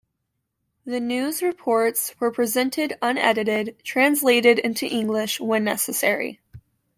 The news reports were presented unedited, translated into English when necessary.